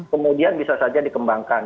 kemudian bisa saja dikembangkan